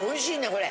これ。